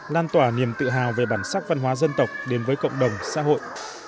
lan tỏa niềm tự hào về bản sắc văn hóa dân tộc đến với cộng đồng xã hội